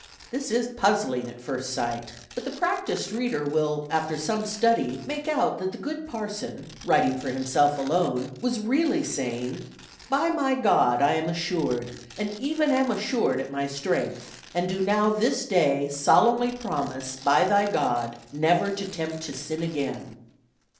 ag." This is puzzling at first sight; but the practiced reader will, after some study, make out that the good Parson, writing for himself alone, was really saying, "By my God I am assured and Even am assured at my Strength, and do now this Day Solemnly promise By Thy God never to Tempt to sin again."